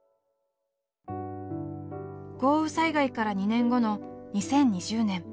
豪雨災害から２年後の２０２０年。